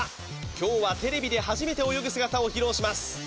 今日はテレビで初めて泳ぐ姿を披露します